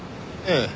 ええ。